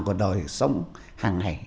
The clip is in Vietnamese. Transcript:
của đời sống hàng ngày